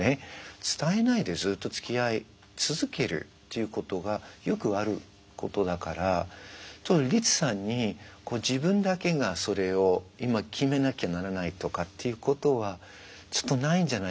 伝えないでずっとつきあい続けるっていうことがよくあることだからリツさんに自分だけがそれを今決めなきゃならないとかっていうことはちょっとないんじゃないかな。